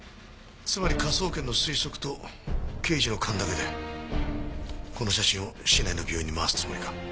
つまり科捜研の推測と刑事の勘だけでこの写真を市内の病院に回すつもりか？